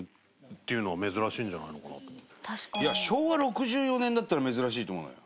伊達：昭和６４年だったら珍しいと思うのよ。